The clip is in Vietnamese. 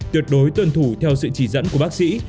tuyệt đối tuân thủ theo sự chỉ dẫn của bác sĩ